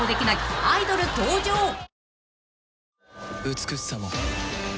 美しさも